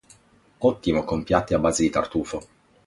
Ottimo con piatti a base di tartufo.